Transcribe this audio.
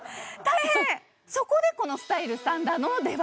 そこで、このスタイルスタンダードの出番。